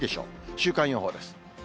週間予報です。